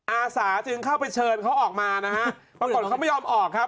อาสาจึงเข้าไปเชิญเขาออกมานะฮะปรากฏเขาไม่ยอมออกครับ